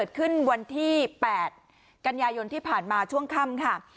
ขึ้นวันที่๘กันยายนที่ผ่านมาช่วงค่ำค่ะ